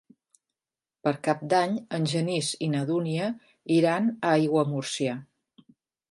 Per Cap d'Any en Genís i na Dúnia iran a Aiguamúrcia.